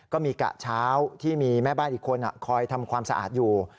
ก็มีกะเช้าที่มีแม่บ้านอีกคนคอยทำความสะอาดอยู่